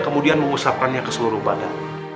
kemudian mengusahakannya ke seluruh badan